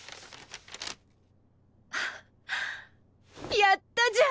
やったじゃん！